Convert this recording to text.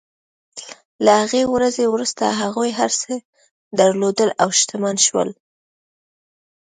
له هغې ورځې وروسته هغوی هر څه درلودل او شتمن شول.